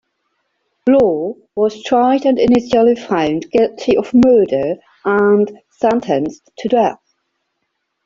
Law was tried and initially found guilty of murder and sentenced to death.